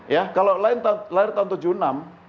ya kalau lahir tahun seribu sembilan ratus tujuh puluh enam